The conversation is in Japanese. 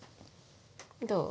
どう？